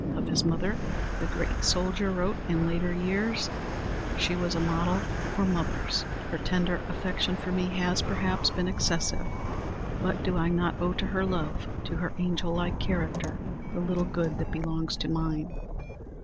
Of his mother, the great soldier wrote in later years, "She was a model for mothers. Her tender affection for me has, perhaps, been excessive; but do I not owe to her love, to her angel like character, the little good that belongs to mine?